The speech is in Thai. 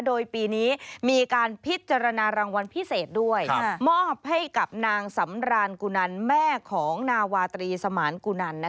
โดยปีนี้มีการพิจารณารางวัลพิเศษด้วยมอบให้กับนางสำรานกุนันแม่ของนาวาตรีสมานกุนัน